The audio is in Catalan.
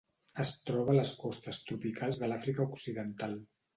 Es troba a les costes tropicals de l'Àfrica Occidental.